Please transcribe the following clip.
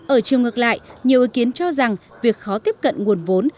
ở chiều ngược lại nhiều ý kiến cho rằng việc khó tiếp cận nguồn vốn